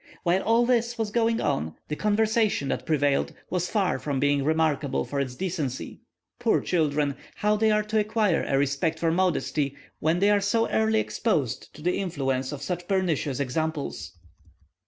While all this was going on, the conversation that prevailed was far from being remarkable for its decency. Poor children! how are they to acquire a respect for modesty, when they are so early exposed to the influence of such pernicious examples.